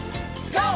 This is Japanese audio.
ＧＯ！